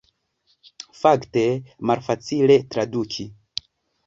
Fakte malfacile traduki.